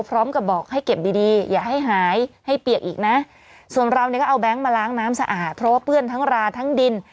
พร้อมกับบอกให้เก็บดีดีอย่าให้หายให้เปียกอีกนะส่วนเราเนี่ยก็เอาแก๊งมาล้างน้ำสะอาดเพราะว่าเปื้อนทั้งราทั้งดิน